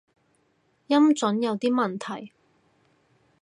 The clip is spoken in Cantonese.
音準有啲問題